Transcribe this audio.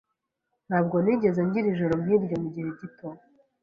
Ntabwo nigeze ngira ijoro nkiryo mugihe gito.